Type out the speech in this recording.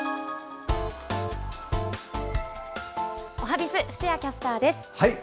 おはＢｉｚ、布施谷キャスターです。